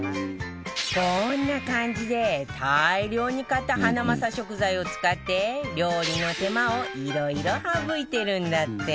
こんな感じで、大量に買ったハナマサ食材を使って料理の手間をいろいろ省いてるんだって。